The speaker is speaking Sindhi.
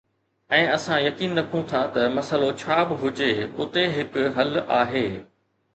۽ اسان يقين رکون ٿا ته مسئلو ڇا به هجي، اتي هڪ حل آهي